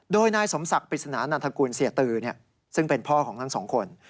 โดยนายสมศักดิ์ปริศนานันทกุลเสียตือซึ่งเป็นพ่อของทั้งสองคน